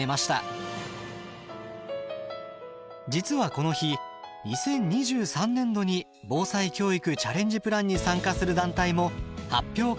実はこの日２０２３年度に「防災教育チャレンジプラン」に参加する団体も発表会に参加。